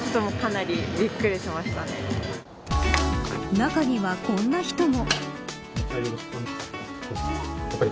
中には、こんな人も。